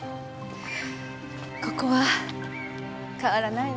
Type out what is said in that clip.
ここは変わらないわね。